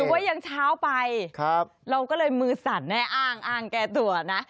ว่ายังเช้าไปเราก็เลยมือสั่นแน่อ้างอ้างแก้ตัวนะ